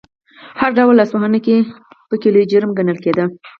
هر ډول لاسوهنه پکې لوی جرم ګڼل کېده.